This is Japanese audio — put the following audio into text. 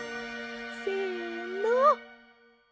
せの。